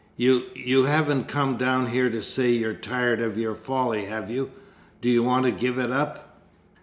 "You, you haven't come down here to say you're tired of your folly, have you? Do you want to give it up?"